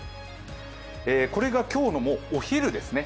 これが今日のお昼ですね。